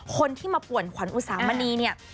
คนที่มาป่วนขวัญอุสามณีเนี่ย